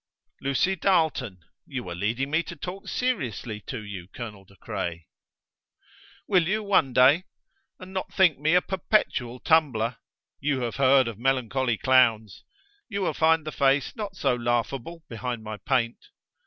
"Lucy Darleton ... You were leading me to talk seriously to you, Colonel De Craye." "Will you one day? and not think me a perpetual tumbler! You have heard of melancholy clowns. You will find the face not so laughable behind my paint.